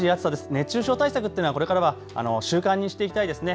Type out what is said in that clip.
熱中症対策ってこれからは習慣にしていきたいですね。